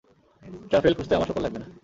Truffle খুঁজতে আমার শূকর লাগবে না।